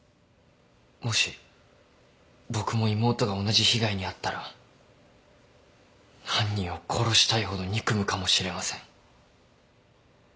もし僕も妹が同じ被害に遭ったら犯人を殺したいほど憎むかもしれません。